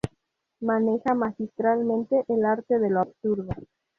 Maneja magistralmente el arte de lo absurdo.